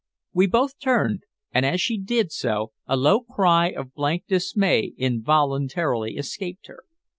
We both turned, and as she did so a low cry of blank dismay involuntarily escaped her.